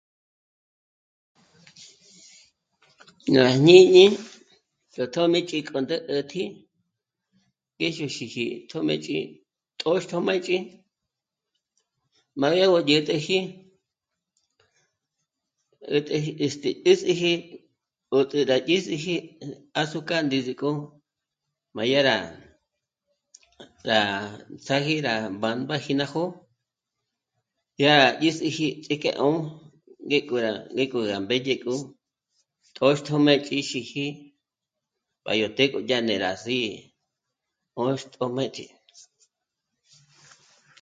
Ná jñíñi yó tjö́mëch'i k'o ndé 'ä̀tji í xòxíxi tjö́mëch'i tóx tjö́mëch'i má yá gó dyä̀t'äji, 'ä̀t'äji este... es 'é síji 'o tjü rá dyés'eji azúcar ndízi k'o má yá rá tra... ts'áji rá bámbaji ná jó'o dyá'és'eji ts'ík'e 'ó'o ngé k'o rá, ngék'o rá mbédye k'o tjóxtjömë xíji b'a yó të́'ë k'o dya ndé rá sí'i 'oxtjö́mëch'i